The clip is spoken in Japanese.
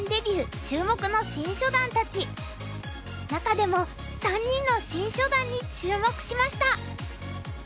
中でも３人の新初段に注目しました。